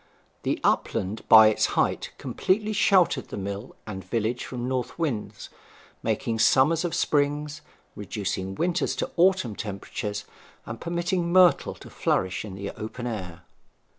The upland by its height completely sheltered the mill and village from north winds, making summers of springs, reducing winters to autumn temperatures, and permitting myrtle to flourish in the open air.